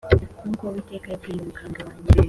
nk’uko Uwiteka yabwiye umukambwe wanjye